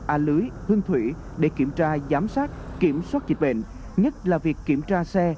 a lưới hương thủy để kiểm tra giám sát kiểm soát dịch bệnh nhất là việc kiểm tra xe